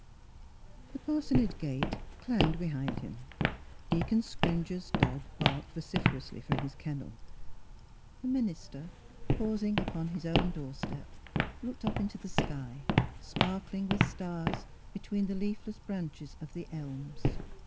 The parsonage gate clanged behind him ; Deacon Scrimger's dog barked vocif Mdss Pkilura's Wedding Gown erously from his kennel. The minister, . pausing upon his own door step, looked up into the sky, sparkling with stars between the leafless branches of the elms.